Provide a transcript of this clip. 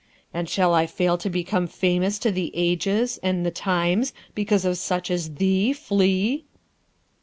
And shall I fail to become famous to the ages and the times because of such as thee, flea?'